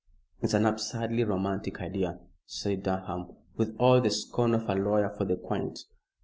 "It's an absurdly romantic idea," said Durham, with all the scorn of a lawyer for the quaint.